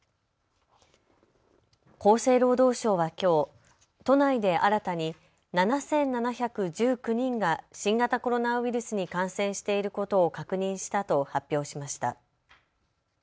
厚生労働省はきょう都内で新たに７７１９人が新型コロナウイルスに感染していることを確認したと発表しました。